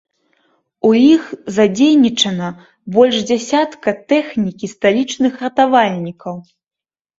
У іх задзейнічана больш дзясятка тэхнікі сталічных ратавальнікаў.